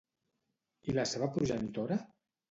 I la seva progenitora?